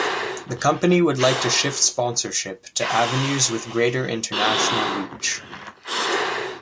The company would like to shift sponsorship to avenues with greater international reach.